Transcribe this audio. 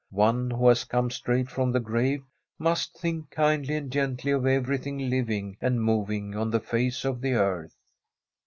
One who has come straight from the grave must think kindly and gently of everything living and moving on the face of the earth.